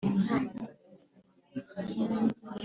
muragire umukumbi w imana